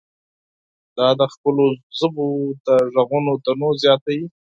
دا د خپلو ژبو د غږونو تنوع زیاتوي.